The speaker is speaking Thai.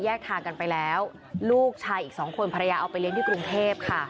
ทางกันไปแล้วลูกชายอีกสองคนภรรยาเอาไปเลี้ยงที่กรุงเทพค่ะ